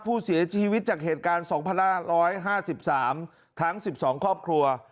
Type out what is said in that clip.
ผู้เสียชีวิตจากเหตุการณ์๒๕๕๓ทั้ง๑๒ครอบครัว